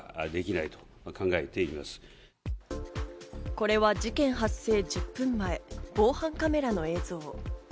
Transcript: これは事件発生１０分前、防犯カメラの映像。